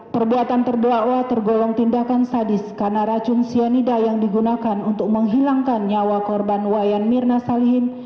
perbuatan terdakwa tergolong tindakan sadis karena racun cyanida yang digunakan untuk menghilangkan nyawa korban wayan mirna salihin